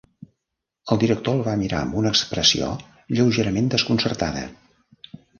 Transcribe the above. El director el va mirar amb una expressió lleugerament desconcertada.